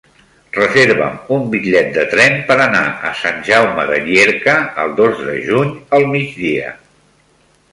Reserva'm un bitllet de tren per anar a Sant Jaume de Llierca el dos de juny al migdia.